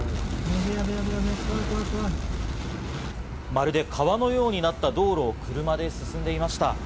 まるで川のようになった道路を車で進んでいました。